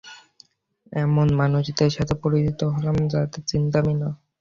এমন মানুষদের সাথে পরিচিত হলাম যদের চিনতামই না।